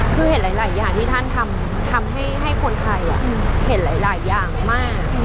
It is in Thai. คือเห็นหลายอย่างที่ท่านทำให้คนไทยเห็นหลายอย่างมาก